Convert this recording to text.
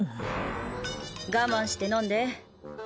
我慢して飲んで。